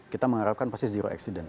kita mengharapkan pasti zero accident